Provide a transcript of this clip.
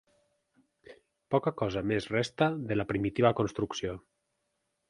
Poca cosa més resta de la primitiva construcció.